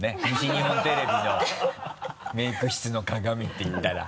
西日本テレビのメイク室の鏡っていったら。